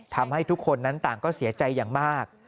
ทำให้ทุกคนนั้นต่างก็เสียใจอย่างมาก